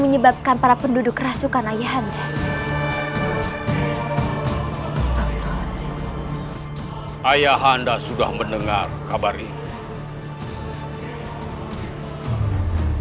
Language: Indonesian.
menyebabkan para penduduk rasukan ayah handa ayah anda sudah mendengar kabar ini